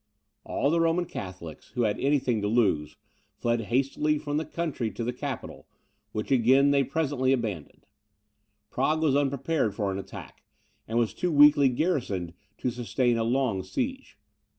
All the Roman Catholics, who had anything to lose, fled hastily from the country to the capital, which again they presently abandoned. Prague was unprepared for an attack, and was too weakly garrisoned to sustain a long siege.